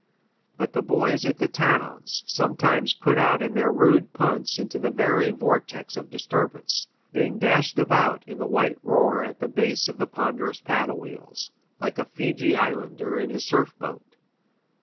But the boys at the towns sometimes put out in their rude punts into the very vortex of disturbance, being dashed about in the white roar at the base of the ponderous paddle wheels, like a Fiji Islander in his surf boat.